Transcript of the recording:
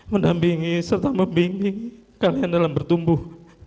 mendampingi serta membimbing kalian dalam bertumbuh